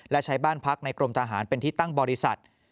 และใช้บ้านพักในกรมทหารเป็นที่ตั้งบริษัท